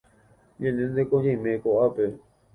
Ñandénteko ñaime ko'ápe